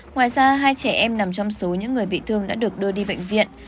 ngoài ra hai trẻ em nằm trong số những người bị thương đã được đưa đi bệnh viện